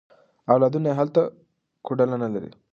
اولادونه یې هلته کوډله نه لري.